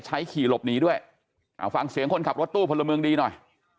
ขี่หลบหนีด้วยเอาฟังเสียงคนขับรถตู้พลเมืองดีหน่อย